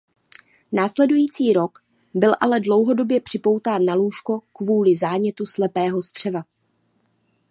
Následující rok byl ale dlouhodobě připoután na lůžko kvůli zánětu slepého střeva.